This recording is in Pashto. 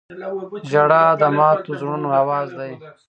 • ژړا د ماتو زړونو اواز دی.